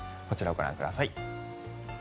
こちらをご覧ください。